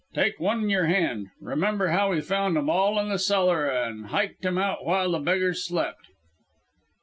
Take one in y'r hand. Remember how we found 'em all in the cellar and hyked 'em out while the beggars slept?"